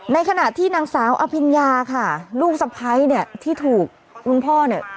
ในขณะที่นางสาวอภิญญาค่ะลูกสะพ้ายเนี่ยที่ถูกคุณพ่อเนี่ย